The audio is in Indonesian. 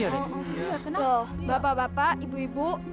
kenal bapak bapak ibu ibu